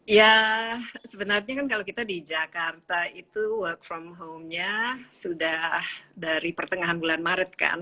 ya sebenarnya kan kalau kita di jakarta itu work from home nya sudah dari pertengahan bulan maret kan